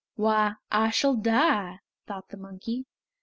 Why I shall die!" thought the monkey.